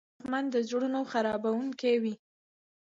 دښمن د زړونو خرابوونکی وي